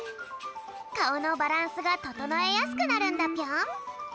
かおのバランスがととのえやすくなるんだぴょん。